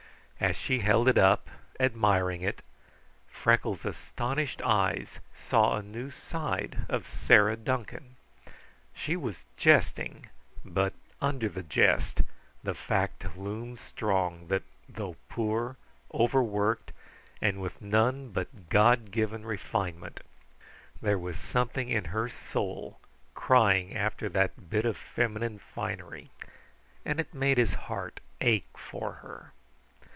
As she held it up, admiring it, Freckles' astonished eyes saw a new side of Sarah Duncan. She was jesting, but under the jest the fact loomed strong that, though poor, overworked, and with none but God given refinement, there was something in her soul crying after that bit of feminine finery, and it made his heart ache for her.